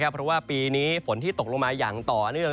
เพราะว่าปีนี้ฝนที่ตกลงมาอย่างต่อเนื่อง